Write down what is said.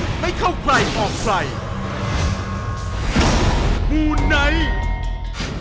หัวราศาสตร์กล่าวไว้ชัดว่าถ้าเดาเสาดวงนี้ยกมะเร็งชะตาก็จะเป็นความเครียดมัน